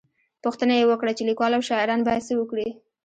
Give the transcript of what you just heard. _پوښتنه يې وکړه چې ليکوال او شاعران بايد څه وکړي؟